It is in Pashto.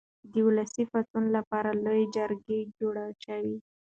د ولسي پاڅون لپاره لویه جرګه جوړه شوه.